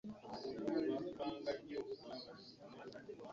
Enjawulo eri mu kintu kimu kyokka.